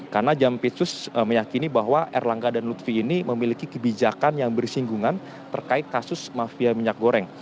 karena jam pitsus meyakini bahwa erlangga dan lufi ini memiliki kebijakan yang bersinggungan terkait kasus mafia minyak goreng